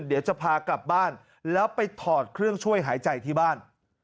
เดี๋ยวจะพากลับบ้านแล้วไปถอดเครื่องช่วยหายใจที่บ้าน